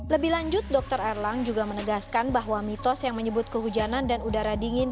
lebih lanjut dr erlang juga menegaskan bahwa mitos yang menyebut kehujanan dan udara dingin